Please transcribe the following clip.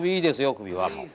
首は。